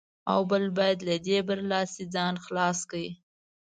او بل باید له دې برلاسۍ ځان خلاص کړي.